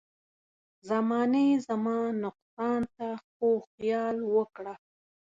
زمانې زما نقصان ته خو خيال وکړه.